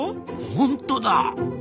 ほんとだ！